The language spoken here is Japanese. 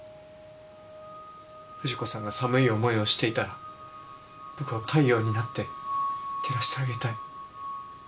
藤子さんが寒い思いをしていたら僕は太陽になって照らしてあげたい。